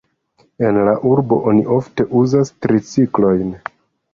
En la urbo oni ofte uzas triciklojn.